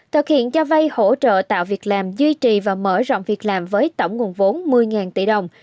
thực hiện cho vay hỗ trợ tạo việc làm duy trì và mở rộng việc làm với tổng nguồn vốn một mươi tỷ đồng